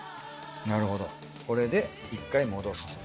なるほどこれで１回戻すと。